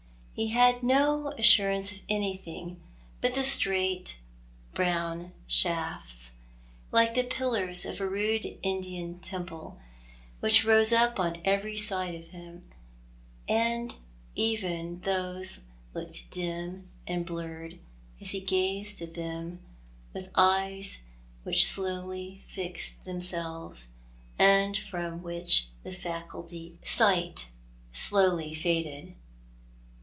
He had no assurance of anything but the straight, brown shafts— like the pillars of a rude Indian temple— which rose up on every side of him — and even those looked dim and blurred as he gazed at them with eyes which slowly fixed themselves, and from which the faculty of sight slowly faded.